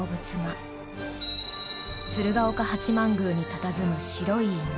鶴岡八幡宮にたたずむ白い犬。